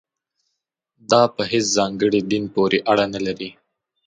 دا په هېڅ ځانګړي دین پورې اړه نه لري.